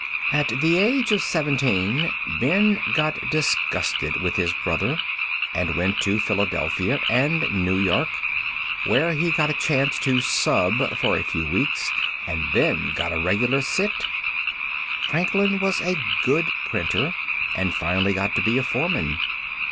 At the age of 17, Ben got disgusted with his brother, and went to Philadelphia and New York, where he got a chance to "sub" for a few weeks, and then got a regular "sit." Franklin was a good printer, and finally got to be a foreman.